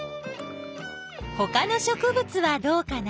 ほかの植物はどうかな？